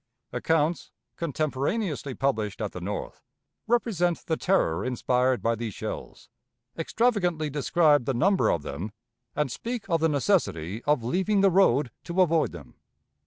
Accounts, contemporaneously published at the North, represent the terror inspired by these shells, extravagantly describe the number of them, and speak of the necessity of leaving the road to avoid them.